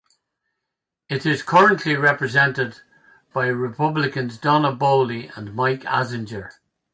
It is currently represented by Republicans Donna Boley and Mike Azinger.